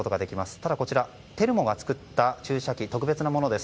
ただ、こちらのテルモが作った注射器は特別なものです。